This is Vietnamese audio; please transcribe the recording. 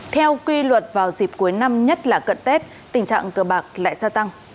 theo quy luật vào dịp cuối năm nhất là cận tết tình trạng cờ bạc lại gia tăng